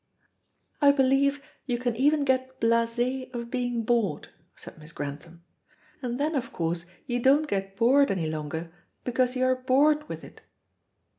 "I believe you can even get blasé of being bored," said Miss Grantham, "and then, of course, you don't get bored any longer, because you are bored with it."